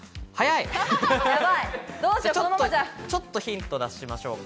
ちょっとヒントを出しましょうか。